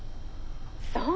そう。